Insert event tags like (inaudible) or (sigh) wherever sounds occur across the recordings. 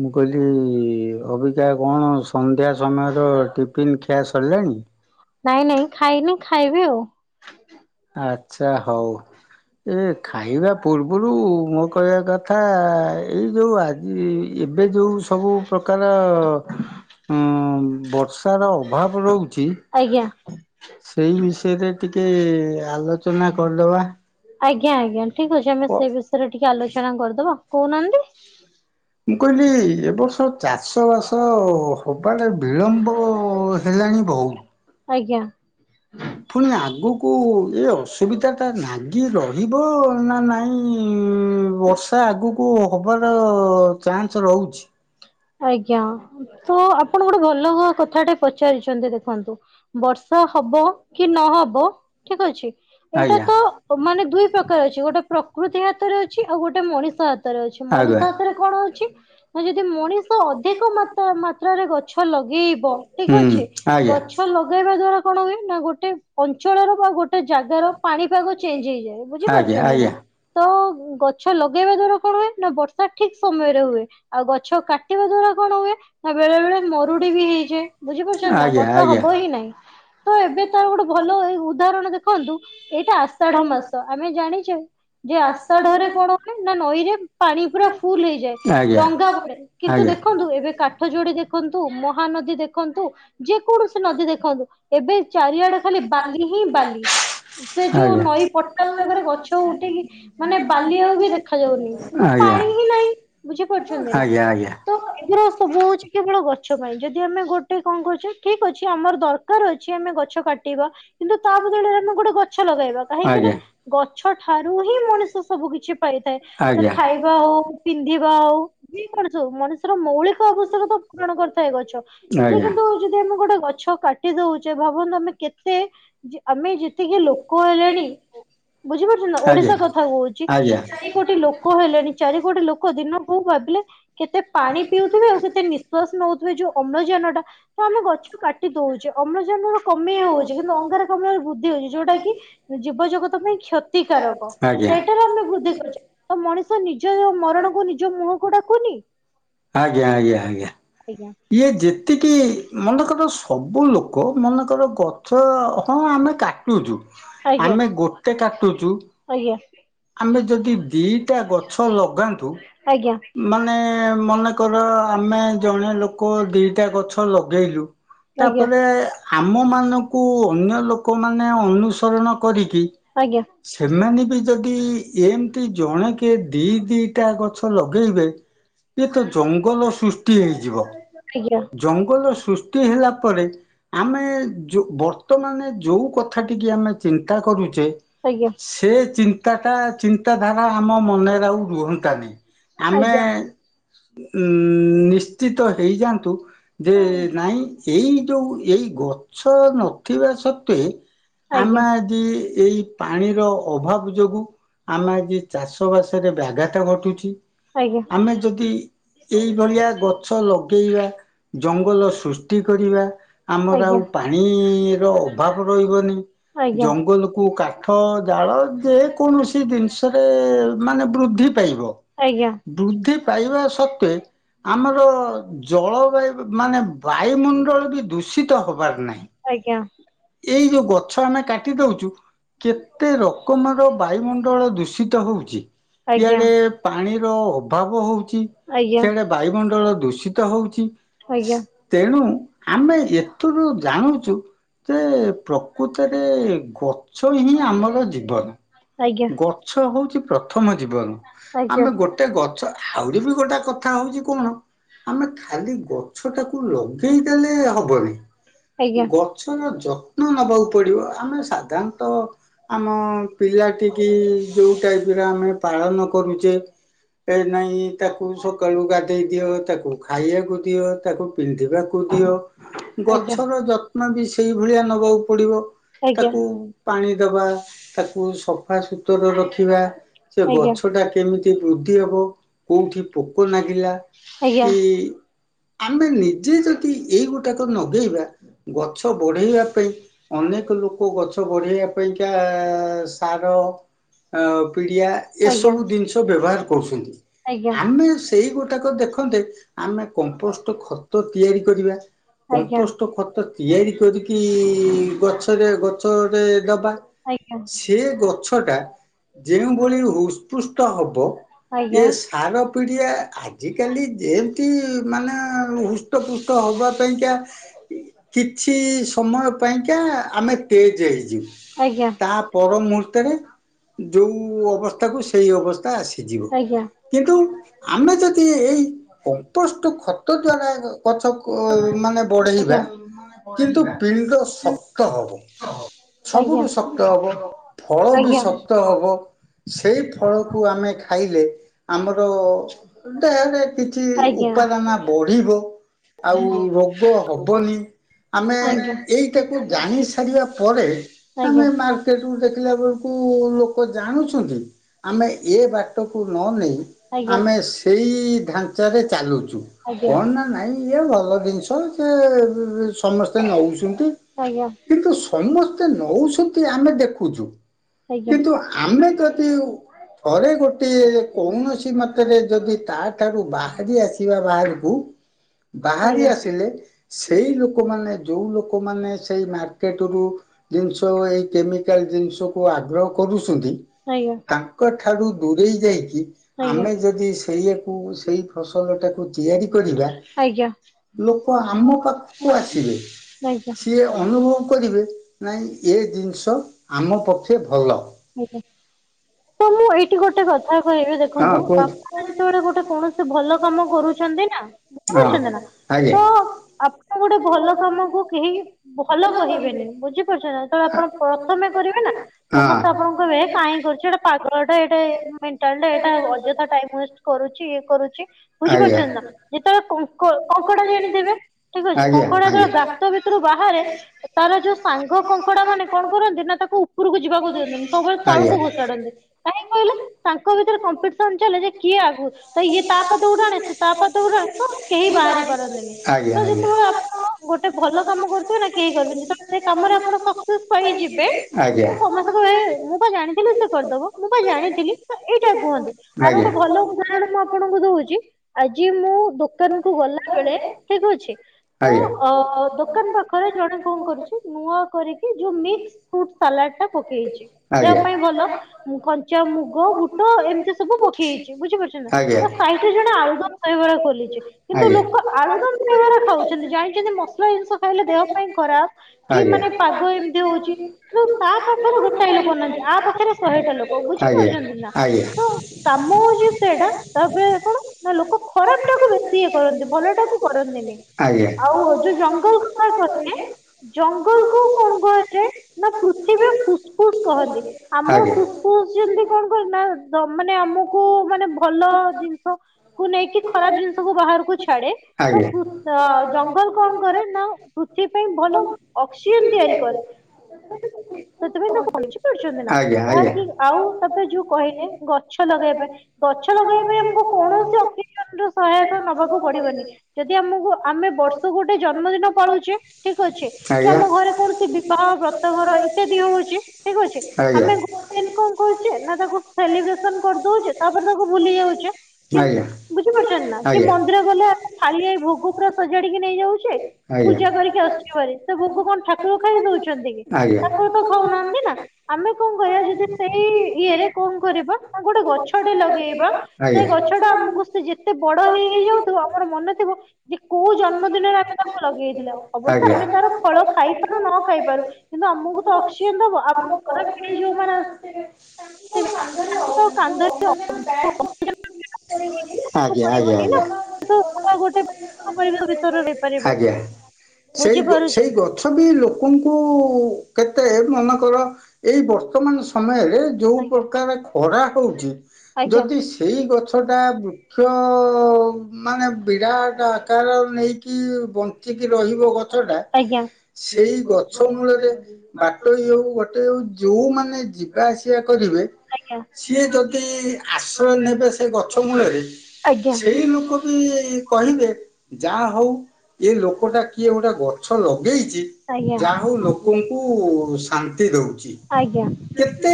ମୁଁ କହିଲି ଅବିକା କଣ ସନ୍ଧ୍ୟା ସମୟର ଟିଫିନ୍ ଖିଆ ସରିଲାଣି? ନାଇଁ ନାଇଁ ଖାଇନି ଖାଇବି ଆଉ। ଆଚ୍ଛା ହଉ। ଏ ଖାଇବା ପୂର୍ବରୁ ମୋ କହିବା କଥା ଏଇ ଯେଉଁ ଆଜି ଏବେ ଯେଉଁ ସବୁ ପ୍ରକାର ହଁ ବର୍ଷ ର ଅଭାବ ରହୁଛି। ଆଜ୍ଞା। ସେଇ ବିଷୟରେ ଟିକେ ଆଲୋଚନା କରିଦବା। ଆଜ୍ଞା ଆଜ୍ଞା। ଠିକ ଅଛି କ ଆମେ ସେଇ ବିଷୟରେ ଟିକେ ଆଲୋଚନା କରିଦବା। କହୁନାହାନ୍ତି। ମୁଁ କହିଲି ଏବ ବର୍ଷ ଚାଷବାସ ହବାର ବିଳମ୍ବ ହେଲାଣି ବହୁତ। ଆଜ୍ଞା। ପୁଣି ଆଗକୁ ଏ ଅସୁବିଧାଟା ନାଗି ରହିବ ନା ନାଇଁ ଇଁ ବର୍ଷ ତା ଆଗକୁ ହେବାର ଚାନ୍ସ ରହୁଛି। ଆଜ୍ଞା। ତ ଆପଣ ଗୋଟେ ଭଲ କଥାଟା ପଚାରିଛନ୍ତି ଦେଖନ୍ତୁ। ବର୍ଷା ହବ କି ନହବ ଠିକ ଅଛି ଏଇଟା ଆଜ୍ଞା ତ ଅ ମାନେ ଦୁଇ ପ୍ରକାର ଅଛି ଗୋଟେ ପ୍ରକୃତି ହାତରେ ଅଛି ଆଉ ଗୋଟେ ମଣିଷ ହାତରେ ଅଛି। ଆଜ୍ଞା ମଣିଷ ରେ କଣ ଅଛି ଆ ଯଦି ମଣିଷ ଅଧିକ ମାତ ମାତ୍ରାରେ ଗଛ ଲଗେଇବ ଠିକ ହୁଁ ଅଛି ଆଜ୍ଞା ଗଛ ଲଗ ଲଗେଇବା ଦ୍ଵାରା କଣ ହୁଏ ନା ଗୋଟେ ଅଞ୍ଚଳର ବା ଗୋଟେ ଜାଗାର ପାଣିପାଗ ଚେଞ୍ଜ ହେଇଯାଏ। ଆଜ୍ଞା ବୁଝିପାରୁଛନ୍ତି ନା। ଆଜ୍ଞା ତ ଗଛ ଲଗେଇବା ଦ୍ଵାରା କଣ ହୁଏ ନା ବର୍ଷା ଠିକ ସମୟରେ ହୁଏ। ଆଉ ଗଛ କାଟିବା ଦ୍ଵାରା କଣ ହୁଏ ନା ବେଳେ ବେଳେ ମରୁଡି ବି ହେଇଯାଏ। ବୁଝିପାରୁଛଛନ୍ତି ନା ଆଜ୍ଞା ବର୍ଷା ଆଜ୍ଞା। ହବ ହିଁ ନାଇଁ ତ ଏବେ ତାର ଗୋଟେ ଭଲ ଏ ଉଦାହରଣ ଦେଖନ୍ତୁ ଏଇଟା ଆସ୍ଥାଢ ମାସ। ଆମେ ଜାଣିଛେ ଯେ ଆସାଢରେ କଣ ହୁଏ ନା ନଈ ରେ ପାଣି ପୁରା ଫୁଲ ହେଇଯାଏ ଆଜ୍ଞା ଡଙ୍ଗା ପଡେ। କିନ୍ତୁ ଆଜ୍ଞା। ଆଜ୍ଞା। ଦେଖନ୍ତୁ ଏବେ କା ଯୋଡି ଦେଖନ୍ତୁ ମହାନଦୀ ଦେଖନ୍ତୁ। ଯେକୌଣସି ନଦୀ ଦେଖନ୍ତୁ ଏବେ ଚାରିଆଡେ ଖାଲି ବାଲି ହିଁ ବାଲି। ସେ ଯୋଉ ଆଜ୍ଞା ଆଜ୍ଞା ଆଜ୍ଞା ନଈ ଆଜ୍ଞା ପଟାକରେ ଗଛ ଉଠିକି ମାନେ ବାଲି ଆଉ ବି ଦେଖ ଦେଖାଯାଉନି। କିନ୍ତୁ ପାଣି ହିଁ ନାହିଁ ବୁଝି ପାରୁଛନ୍ତି ନା ଆଜ୍ଞା ତ ଏଗୁରା ସବୁ ହଉଛି କେବଳ ଗଛ ପାଇଁ। ଯଦି ଆମେ ଗୋଟେ କଣ କରୁଛେ ଠିକ ଅଛି ଆମର ଦରକାର ଦରକାର ଅଛି ଆମେ ଗଛ କାଟିବା କିନ୍ତୁ ତା ବଦଳରେ ଆମେ ଗୋଟେ ଗଛ ଲଗେଇବା। କାହିଁକି ନା ଗଛ ଠାରୁ ହିଁ ମଣିଷ ସବୁ କିଛି ପାଇଥାଏ। ସେ ଖାଇ ହଉ, ପିନ୍ଧିବା ହଉୁ, ଯେ କୌଣସି ହଉ ମଣିଷର ମୌଳିକ ଆବସ୍ଯକତା ପୂରଣ କରିଥାଏ ଗଛ। ଯେ ଆଜ୍ଞା। କିନ୍ତୁ ଯଦି ଆମେ ଗୋଟେ ଗଛ କାଟି ଦଉଛେ ଭାବନ୍ତୁ ଆମେ କେତେ ଯେ ଆମେ ଯେତିକି ଲୋକ ହେଲେଣି, ବୁଝିପାରୁଛ ନା ଆଜ୍ଞା ଓଡିଶା କଥା କହୁଛି ଆଜ୍ଞା କୋଟି ଲୋକ ହେଲେଣି ଚାରି କୋଟି ଲୋକ ଦିନ କୁ ଭାବିଲେ କେତେ ପାଣି ପିଉଥିବେ ଆଉ କେତେ ନିଶ୍ଵାସ ନେଉଥିବେ ଯୋଉ ଅମ୍ଳଯାନ ଟା ତ ଆମେ ଗଛ କାଟି ଦଉଛେ ଅମ୍ଳଜାନ କମେଇ ହଉଛି କିନ୍ତୁ ଅଙ୍ଗାର ବୃଦ୍ଧି ହଉଛି ଯୋଉଟା କି ଜୀବ ଜଗତ ପାଇଁ କ୍ଷତିକାରକ ଆଜ୍ଞା ସେଇଟାରୁ ଆମେ ବୃଦ୍ଧି କରୁଚେ ତ ମଣିଷ ନିଜ ମରଣକୁ ନିଜ ମୁହଁକୁ ଡାକୁନି। ଆଜ୍ଞା ଆଜ୍ଞା ଆଜ୍ଞା। ଆଜ୍ଞା ଇଏ ଯେତିକି ମନେକର ସବୁ ଲୋକ ମନେକର ଗଛ ଅ କଣ ଆମେ କାଟୁଚୁ ଆମେ ଗୋଟେ କାଟୁଚୁ ଆଜ୍ଞା। ଦିଟା ଗଛ ଲଗାନ୍ତୁ ଆଜ୍ଞା। ତାଙ୍କର ଆମେ ଜଣେ ଲୋକ ଦିଟା ଗଛ ଲଗେଇଲୁ। ଆଜ୍ଞା ତାପରେ ଆମ ମାନଙ୍କୁ ଅନ୍ୟ ଲୋକମାନେ ଅନୁସରଣ କରିକି ଆଜ୍ଞା ଆଜ୍ଞା ସେମାନେ ବି ଯଦି ଏମିତି ଜଣେକେ ଦି ଦିଟା ଗଛ ଲଗେଇବେ ଜଙ୍ଗଲ ସୃଷ୍ଟି ହେଇଯିବ ଜଙ୍ଗଲ ସୃଷ୍ଟି ହେଲା ପରେ ଆମେ ଯଉ ବ ବର୍ତ୍ତମାନେ ଯୋଉ କଥା ଟିକି ଆମେ ଚିନ୍ତା କରୁଚେ ସେ ଚି ନ୍ତା ଚିନ୍ତାଧାରା ଆମ ମନରେ ଆଉ ରୁହନ୍ତାନି ଆମେ ଆଜ୍ଞା ଉଁ ନିଶ୍ଚିତ ଆଜ୍ଞା ହେଇଯାଆନ୍ତୁ ଆଜ୍ଞା। ଯେ ନାଇଁ ଏଇ ଯୋଉ ଏଇ ଗ ଛ ନଥିବା ସତ୍ତ୍ୱେ ଆଜ୍ଞା। ଆମେ ଆଜି ଏଇ ପାଣିର ଅଭାବ ରୁ ଆମେ ଆଜି ଚାଷ ବାସରେ ବ୍ୟାଘାତ ଘଟୁଚି। ଆଜ୍ଞା। ଏଇଭଳିଆ ଗଛ ଲଗେଇବା ଜଙ୍ଗଲ ସୃଷ୍ଟି କରିବା ଆମର ଆଜ୍ଞା। ଆଜ୍ଞା ଆଉ ପାଣି ଣିର ଆଜ୍ଞା ଅଭାବ ରହିବନି ଆଜ୍ଞା। ଜଙ୍ଗଲ କୁ କାଠ ଜାଳ ଯେ କୌଣସି ଜିନିଷରେ ମାନେ ବୃଦ୍ଧି ପାଇବ। ଆଜ୍ଞା। ବୃଦ୍ଧି ପାଇବା ସତ୍ତ୍ୱେ ଆମର ଜଳବାୟୁ ମାନେ ବାୟୁମଣ୍ଡଳ ବି ଦୂଷିତ ହବାର ନାହିଁ। ଏଇ ଯୋଉ ଗଛ ଆମେ କାଟି ଦଉଚୁ କେତେ ରକମା ର ବାୟୁମଣ୍ଡଳ ଦୂଷିତ ହଉଚି। ଆଜ୍ଞା ଆଜ୍ଞା। ଇଆଡେ ପାଣିର ଅଭାବ ହଉଚି ସେଆଡେ ବାୟୁମଣ୍ଡଳ ଦୂଷିତ ହଉଚି। ତେଣୁ ଆମେ ଏଥିରୁ ଜାଣୁଚୁ ଯେ ପ୍ରକୃତରେ ଗଛ ହିଁ ଆମର ଜୀବନ। ଆଜ୍ଞା। ଗଛ ହଉଛି ପ୍ରଥମ ଜୀବନ ଆମେ ଗୋଟେ ଗଛ ଆହୁରି ବି ଗୋଟେ କ କଥା ହଉଚି କଣ ଆମେ ଖାଲି ଗଛ ଟାକୁ ଲଗେଇଦେଲେ ହବନି। ଆଜ୍ଞା। ଗଛର ଯତ୍ନ ନେବାକୁ ପଡିବ ଆମେ ସାଧାରଣତଃ ଆଜ୍ଞା। ଆମ ପିଲାଟି କି ଯେଉଁ ଟାଇପ୍ ର ଆମେ ପାଳନ କରୁଚେ ଏ ନାଇଁ ତାକୁ ସକାଳୁ ଗାଧେଇ ଦିଅ ତାକୁ ଖାଇବାକୁ ଦିଅ ତାକୁ ପିନ୍ଧିବାକୁ ଦିଅ ଆଜ୍ଞା। ଗଛର ଯ ତ୍ନ ବି ସେଇଭଳିଆ ନେବାକୁ ପଡ଼ିବ ତାକୁ ପାଣି ଦେବା ତାକୁ ସ ସଫାସୁତୁରା ରଖିବା ସେ ଗଛ ଟା କେମିତି ବୃଦ୍ଧି ହବ। କୋଉଠି ପୋକ ଲାଗିଲା କି ଆମେ ନିଜେ ଦେଖିଚେ ଏଇ ଗୋଟେ ଲଗେଇବା। ଗଛ ବଢେଇବା ପାଇଁ ଅନେକ ଲୋକ ଗଛ ବଢେଇବା ପାଇଁକା ସା ର ଅ ପିଡିଆ ଏସବୁ ଜିନିଷ ବ୍ୟବହାର କରୁଛନ୍ତି। ଆମେ ସେଇ ଗୁଟାକ ଦେଖନ୍ତେ ଆମେ କମ୍ପୋଷ୍ଟ ଖତ ତିଆରି କରିବା। କମ୍ପୋଷ୍ଟ ଖତ ତିଆରି କରିକି ଗଛରେ ଗଛରେ ଦବା ସେ ଗ ଛଟା ଯେଉଁଭଳି ହୃପୃଷ୍ଟ ହବ ଇ ସାର ପିଡ଼ିଆ ଆ ଆଜିକାଲି ଯେମିତି ମାନେ ହୃଷ୍ଟପୃଷ୍ଟ ହବା ପାଇଁକା କିଛି ସମୟ ପାଇଁକା ଆମେ ତେଜ ହେଇଯିବୁ ତା ପର ମୁୂ ରେ ଯୋଉ ଅବସ୍ଥାକୁ ସେଇ ଅବସ୍ଥା ଆସିଯିବ। ଆଜ୍ଞା କିନ୍ତୁ ଆମେ ଯଦି ଏଇ କମ୍ପୋଷ୍ଟ ଖତ ଦ୍ଵାରା ଗଛକୁ ମାନେ ବଢେଇବା କିନ୍ତୁ ପିଣ୍ଡ ଶକ୍ତ ହବ ଆଜ୍ଞା। ସବୁଠୁ ଶକ୍ତ ହବ ଫଳ ବି ଶକ୍ତ ହବ। ସେଇ ଫଳକୁ ଆମେ ଖାଇଲେ ଆମର ଦେହରେ କିଛି ଉପାଦାନ ବଢିବ ଆଉ ରୋଗ ହବନି। ଆମେ ଏଇଟାକୁ ଜାଣି ସାରିବା ପରେ ଆମେ ମାର୍କେଟୁ ଦେ ଖିଲା ବେଳକୁ ଲୋକ ଜାଣୁଚନ୍ତି ଆମେ ଏ ବାଟକୁ ନ ନେଇ ଆମେ ସେଇ ଢାଞ୍ଚାରେ ଚାଲୁଚୁ କଣ ନା ନାଇଁ ଇଏ ଭଲ ଜିନିଷ ସେ ସମସ୍ତେ ନଉଚୁନ୍ତି ଆଜ୍ଞା। କିନ୍ତୁ ସମସ୍ତେ ନଉଚନ୍ତି ଆମେ ଦେଖୁଚୁ ଆଜ୍ଞା। ଥରେ ଗୋଟିଏ କୌଣସି ମାତ୍ରାରେ ଯଦି ତା ଠାରୁ ବାହାରି ଆସିବା ବାହାରକୁ ବାହାରି ଆସିଲେ ସେଇ ଲୋକମାନେ ଯୋଉ ଲୋକମାନେ ସେଇ ମାର୍କେଟ ରୁ ଜିନିଷ ଏଇ କେମିକାଲ ଜିନିଷକୁ ଆଗ୍ରହ କରୁଛନ୍ତି ତା ତାଙ୍କଠାରୁ ଦୂରେଇ ଯାଇକି ଆମେ ଯଦି ସେଇଆକୁ ସେଇ ଫସଲଟାକୁ ତିଆରି କରିବା ଆଜ୍ଞା। ଲୋକ ଆମ ପାଖକୁ ଆସିବେ। ଆଜ୍ଞା। ସିଏ ଅନୁଭବ କରିବେ ନାଇଁ ଏ ଜିନିଷ ଆମ ପକ୍ଷେ ଭଲ। ଆଜ୍ଞା। ତ ମୁଁ ଏଇଠି ଗୋଟେ କଥ ଥା କହିବି ହଁ ଦେଖନ୍ତୁ କୁହନ୍ତୁ ଆପଣ ଯେତେବେଳେ ଗୋଟେ କୌଣସି ଭଲ କାମ କରୁଛନ୍ତି ନା ହଁ ବୁଝିପାରୁଛନ୍ତି ନା ଆଜ୍ଞା। ଆପଣ ତ ଗୋଟେ ଭଲ କାମ କୁ କେହି ଭଲ କହିବେନି ବୁଝିପାରୁଚନା ଯେତେଳେ ହଁ। ଆପଣ ପ୍ରଥମେ କରିବେ ନା ସମସ୍ତେ ଆଜ୍ଞା ଆପଣଙ୍କ କହିବେ ହେ କାଇଁ କର ପାଗଳ ଟା ଏଟା ଏ ମେଣ୍ଟାଲ ଟା ଏଇଟା ଅଯଥା ଟାଇମ୍ ୱେଷ୍ଟ କରୁଚି ଇଏ କରୁଚି। ଆଜ୍ଞା ବୁଝିପାରୁଚନ୍ତି ନା ଯେତେବେଳେ କଙ୍କ କଙ୍କଡା ଜାଣିଥିବେ ଠିକ ଅଛି ଆଜ୍ଞା। କଙ୍କଡା ଆଜ୍ଞା। ଯେତେବେଳେ ଗା ଗାତ ଭିତରୁ ବାହାରେ ତାର ଯୋଉ ସାଙ୍ଗ କଙ୍କଡା ମାନେ କଣ କରନ୍ତି ନା ତାକୁ ଉପରକୁ ଯିବାକୁ ଦିଅନ୍ତିନି ସବୁବେଳେ ଆଜ୍ଞା ତଳକୁ ଘୋଷାଡନ୍ତି କାହିଁ କହିଲେ? ତାଙ୍କ ଭିତରେ କମ୍ପିଟିସନ୍ ଚାଲେ ଯେ କିଏ ଆଗୁ ତ ଇଏ ତା ପାଦ କୁ ଟାଣେ ତା ପାଦ କୁ ଟାଣେ ତ କେହି ବାହାରି ପାରନ୍ତିନି ଆଜ୍ଞା। ତ ଯେତେବେଳେ ଆପ ଆପଣ ଗୋଟେ ଭଲ କାମ କରୁଥିବେ ନା କେହି କରିବେନି ଯେତେବେଳେ ସେ କାମରେ ଆପଣ ସକ୍ସେସ୍ ପାଇଯିବେ ମୁଁ ଆଜ୍ଞା। ସମସ୍ତେ କହିବେ ଏ ମୁଁ ପା ଜାଣିଥିଲି ସେ କରିଦବ ମୁଁ ବା ଜାଣିଥିଲି। ତ ଏଇଟା କୁହନ୍ତି ଆର ଆଜ୍ଞା। ଗୋଟେ ଭଲ ଉଦାହରଣ ମୁଁ ଆପ ଆପଣଙ୍କୁ ଦଉଚି ଆଜି ମୁଁ ଦୋକାନ କୁ ଗଲା ବେଳେ ଠିକ ଅଛି। ତ ଅ ଦୋକାନ ପାଖରେ ଜଣେ କଣ କରୁଚି ନୂଆ କରିକି ଯୋଉ ମିକ୍ସ ଫୁଟ ସାଲାଡ ଟା ପକେଇଚି ଦେହ ଆଜ୍ଞା ପାଇଁ ଭଲ ଆଜ୍ଞା। କଞ୍ଚା ମୁଗ ବୁଟ ଏମିତି ସବୁ ପକେଇଚି ବୁଝିପାରୁଛ ନା ଟା ସାଇଡ ରେ ଜଣେ ଆଳୁଦମ୍ ଦହିବରା ଖୋଲିଚି କିନ୍ତୁ ଲୋକ ଆଳୁଦମ ଦହିବରା ଖାଉଚନ୍ତି ଜାଣିଚନ୍ତି ମସଲା ଜିନିଷ ଖାଇଲେ ଦେହ ପାଇଁ ଖରାପ କି ମାନେ ପାଗ ଏମିତି ହଉଚି କିନ୍ତୁ ତା ପାଖରେ ଗୋଟାଏ ଲୋକ ନାହାନ୍ତି ଆ ପାଖରେ ଶହେଟା ଲୋକ। ବୁଝିପାରୁଚନ୍ତି ନା ତ କାମ ହଉଚି ସେଇଟା ତାପରେ କଣ ନା ଲୋକ ଖରାପ ଟାକୁ ବେଶୀ ଇଏ କରନ୍ତି ଭଲ ଟାକୁ କରନ୍ତିନି ଆଉ ଯୋଉ ଜଙ୍ଗଲ କଥା କହିଲେ ଜଙ୍ଗଲ କୁ କଣ କୁହାଯାଏ ନା ପୃଥିବୀର ଫୁସ୍ ଫୁସ୍ କହନ୍ତି ଆମର ଫୁସ ଯେମିତି କଣ କହିମି ନା ଦ ମାନେ ଆମୁକୁ ମାନେ ଭଲ ଜିନିଷ କୁ ନେଇକି ଖରାପ ଜିନିଷକୁ ବାହାରକୁ ଛାଡେ ତ ପୃ ଅ ଜଙ୍ଗଲ କଣ କରେ ନା ପୃଥିବୀ ପାଇଁ ଭଲ ଅକ୍ସିଜେନ ତିଆରି କରେ। ସେଥିପାଇଁ ତାକୁ (unintelligible) ବୁଝି ପାରୁଛନ୍ତି ନା ଯାହାକି ଆଉ ତାପରେ ଯୋଉ କହିଲେ ଗଛ ଲଗେଇବା ପାଇଁ ଗଛ ଲଗେଇବା ପାଇଁ ଆମକୁ କୌଣସି ଅକ୍ସିଜେନ ର ସହାୟକ ନବାକୁ ପଡିବନି। ଯଦି ଆମକୁ ଆମେ ବର୍ଷକୁ ଗୋଟେ ଜନ୍ମଦିନ ପାଳୁଛେ ଠିକ ଅଛି କି ଆମ ଘରେ କୌଣସି ବିବାହ ବ୍ରତଘର ଇତ୍ୟାଦି ହଉଛି ଠିକ ଅଛି ଆମେ ଗୋ ଦେନ୍ କଣ କରୁଛେ ନା ତାକୁ ସେଲିବ୍ରେସନ କରିଦଉଛେ ତାପରେ ତାକୁ ଭୁଲି ଯାଉଛେ। କି ଆଜ୍ଞା। ବୁଝିପାରୁଛନ୍ତି ନା କି ମନ୍ଦିର ଗଲେ ଆମେ ଥାଳିଆଏ ଭୋଗ ପୁରା ସଜାଡିକି ନେଇଯାଉଛେ ଆଜ୍ଞା ପୂଜା କରିକି ଆସୁଛୁଭାରି ସେ ଭୋଗ କଣ ଠାକୁର ଖାଇ ଦଉଛନ୍ତି କି? ଆଜ୍ଞା। ଠାକୁର ତ ଖାଉନାହାନ୍ତି ନା ଆମେ କଣ କରିବା ଯଦି ସେଇ ଇଏରେ କଣ କରିବା ଗୋଟେ ଗ ଛଟା ଲଗେଇବା ସେ ଗଛଟା ଆମକୁ ସେ ଯେ ସେ ବଡ ହେଇ ହେଇ ଯାଉଥିବ ଆମର ମନ ଥିବ ଯେ କୋଉ ଜନ୍ମ ଦିନରେ ଆମେ ତା କୁ ଲଗେଇଥିଲ ଅବଶ୍ୟ ଆମେ ତାର ଫଳ ଖାଇପାରୁ ନ ଖାଇପାରୁ କିନ୍ତୁ ଆମ ମକୁ ତ ଅକ୍ସିଜେନ ଦବ ଆମ ପର ପିଢି ଯୋଉମାନେ ଆ ସିବେ ତାଙ୍କ ଆସିବେ ନା। (unintelligible) (unintelligible) ଆଜ୍ଞା ଆଜ୍ଞା ପଡିବନି ନା ଆଜ୍ଞା। (unintelligible) ଆଜ୍ଞା ସେଇ ଗ ସେଇ ବୁଝିପାରୁଛନ୍ତି। ଗଛ ବି ଲୋ କଙ୍କୁ କେତେ ଏ ମନେ କର ଏଇ ବର୍ତ୍ତମାନ ସମୟରେ ଯୋଉ ପ୍ରକାର ଖରା ହେଉଛି ଆଜ୍ଞା ଯଦି ଶୀ ଏଇ ଗଛଟା ବୃକ୍ଷ ମାନେ ଆଜ୍ଞା ବିରାଟ ଆକାର ନେଇକି କି ବଞ୍ଚିକି ରହିବ ଗଛଟା ଆଜ୍ଞା ସେଇ ଗଛ ମୂଳରେ ବାଟୋଇ ହଉ ବଟେଇ ହଉ ଯୋଉମାନେ ଯିବା ଆସିବା କରିବେ ଆଜ୍ଞା। ସିଏ ଯଦି ଆଜ୍ଞା। ଆଶ୍ରୟ ନେବେ ସେ ଗଛ ମୂଳରେ ଆଜ୍ଞା ସେଇ ଲୋକ ବି କହିବେ ଯାହା ହଉ ଏ ଲୋକଟା କିଏ ଗୋଟେ ଗଛ ଲଗେଇଚି ଆଜ୍ଞା। ଯାହା ହଉ ଲୋକଙ୍କୁ ଶାନ୍ତି ଦଉଚି। କେତେ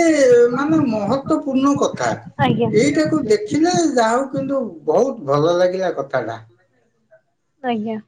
ମାନେ ମହତପୂର୍ଣ୍ଣ କଥା ଆଜ୍ଞା। ଏଇଟାକୁ ଦେଖ ଖିଲେ ଯା ହଉ କିନ୍ତୁ ବହୁତ ଭଲ ଲାଗିଲା କଥାଟା। ଆଜ୍ଞା।